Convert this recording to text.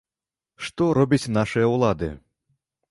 Што робяць нашыя ўлады!?